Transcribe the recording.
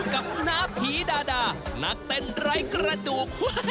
น้าผีดาดานักเต้นไร้กระดูก